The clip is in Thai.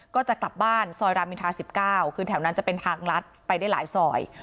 ก็จะกลับบ้านซอยรามอินทา๑๙คือแถวนั้นจะเป็นทางลัดไปได้หลายซอย